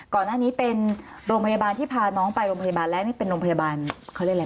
ก่อนอันนี้เป็นโรงพยาบาลที่พาน้องไปแล้วมีเป็นโรงพยาบาลเขาเล่นอะไร